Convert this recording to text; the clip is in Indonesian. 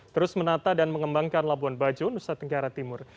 terus menata dan mengembangkan labuan bajo nusa tenggara timur